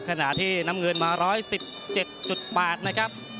ขณะที่น้ำเงินมา๑๑๗๘นะครับ